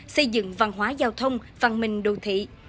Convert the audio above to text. xây dựng văn hóa giao thông văn minh đô thị